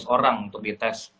lima belas orang untuk dites